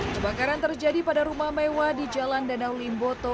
kebakaran terjadi pada rumah mewah di jalan danau limboto